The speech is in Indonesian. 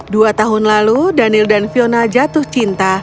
dua tahun lalu daniel dan fiona jatuh cinta